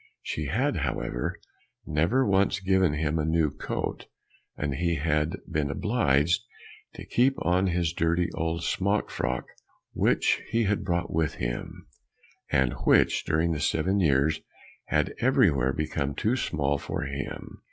She had, however, never once given him a new coat, and he had been obliged to keep on his dirty old smock frock, which he had brought with him, and which during the seven years had everywhere become too small for him.